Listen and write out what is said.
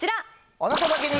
あなただけに！